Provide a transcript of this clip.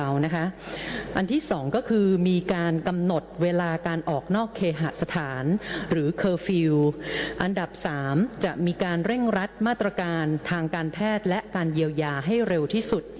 อันที่๒ก็คือมีการกำหนดเวลาการออกนอกเคหสถานหรือเคอร์ฟิลล์อันดับ๓จะมีการเร่งรัดมาตรการทางการแพทย์และการเยียวยาให้เร็วที่สุด